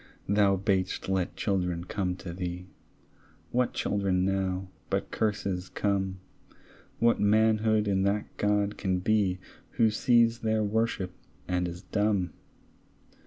Thou bad'st let children come to thee; What children now but curses come? What manhood in that God can be Who sees their worship, and is dumb?